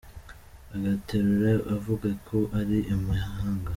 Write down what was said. ugaterura uvuga ko ari imahanga